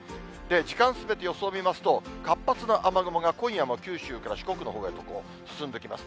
時間進めて予想を見ますと、活発な雨雲が今夜も九州から四国のほうへと進んできます。